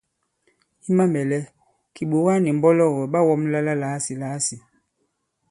I mamɛ̀lɛ, kìɓòga nì mbɔlɔgɔ̀ ɓa wɔ̄mla la làasìlàasì.